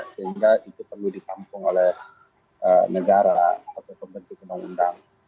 sehingga itu perlu ditampung oleh negara atau pembentukan undang